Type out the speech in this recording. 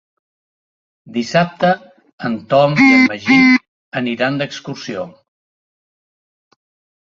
Dissabte en Tom i en Magí aniran d'excursió.